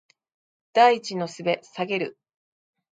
第一の術ザケル